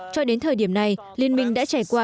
cho đến thời điểm này liên minh đã trải qua